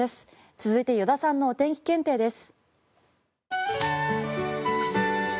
続いて依田さんのお天気検定です。